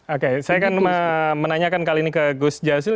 oke saya kan menanyakan kali ini ke gus jasil